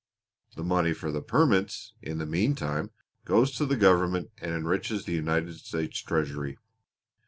The money for the permits, in the meantime, goes to the government, and enriches the United States treasury.